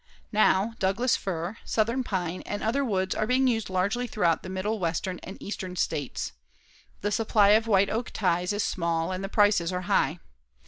Now Douglas fir, southern pine and other woods are being used largely throughout the Middle Western and Eastern States. The supply of white oak ties is small and the prices are high.